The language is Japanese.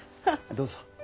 どうぞ。